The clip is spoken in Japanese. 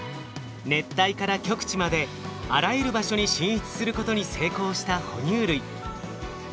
熱帯から極地まであらゆる場所に進出することに成功した哺乳類。